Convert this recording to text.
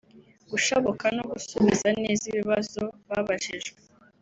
gushabuka no gusubiza neza ibibazo babajijwe